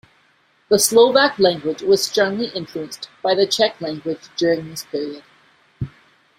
The Slovak language was strongly influenced by the Czech language during this period.